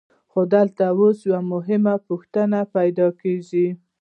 خو دلته اوس یوه مهمه پوښتنه پیدا کېږي